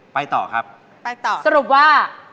ไปต่อครับไปต่อไปต่อไปต่อสรุปว่า